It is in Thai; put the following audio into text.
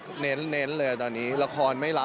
โดมเนี้ยบอกเลยว่าโอ้โห